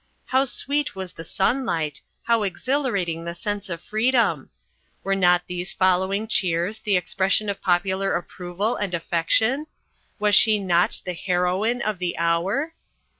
How sweet was the sunlight, how exhilarating the sense of freedom! Were not these following cheers the expression of popular approval and affection? Was she not the heroine of the hour?